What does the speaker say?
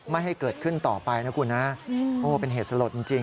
ไม่ให้เกิดขึ้นต่อไปนะคุณนะโอ้เป็นเหตุสลดจริง